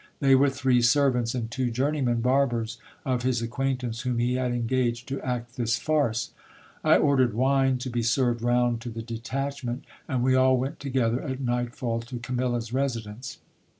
They were three servants and two journeymen barbers of his acquaintance, whom he had engaged to act this farce. I ordered wine to be served round to the detachment, and we all went ADVENTURE OF THE STOLEN RING. 53 together at night fall to Camilla's residence.